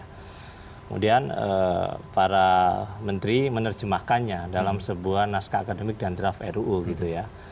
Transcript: kemudian para menteri menerjemahkannya dalam sebuah naskah akademik dan draft ruu gitu ya